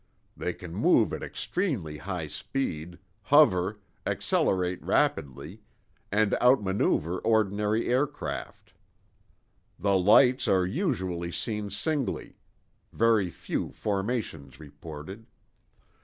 They can move at extremely high speed, hover, accelerate rapidly, and outmaneuver ordinary aircraft. "The lights are usually seen singly—very few formations reported.